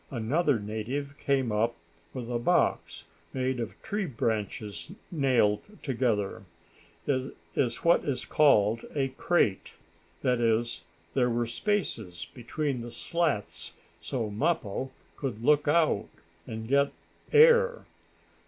Another native came up with a box made of tree branches nailed together. It was what is called a crate that is, there were spaces between the slats so Mappo could look out and get air.